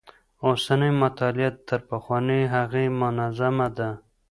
اوسنۍ مطالعه تر پخوانۍ هغې منظمه ده.